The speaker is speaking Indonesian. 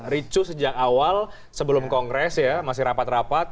ricu sejak awal sebelum kongres ya masih rapat rapat